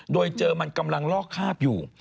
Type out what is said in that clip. โดยเจอมันกำลังลอกคาบอยู่